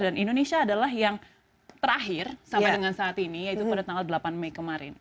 indonesia adalah yang terakhir sampai dengan saat ini yaitu pada tanggal delapan mei kemarin